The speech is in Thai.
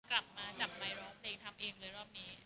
กลับมาจับไมค์ร้องเพลงทำเองเลยรอบนี้